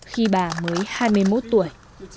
khi bà mới hai mươi một tuổi